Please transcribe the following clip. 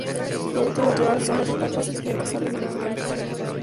Su hábitat natural son las estepas y herbazales de interior.